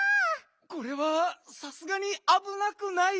これはさすがにあぶなくない？